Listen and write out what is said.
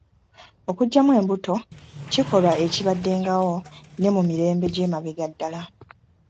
Okuggyamu embuto kikolwa ekibaddengawo ne mu mirembe gy'emabega ddala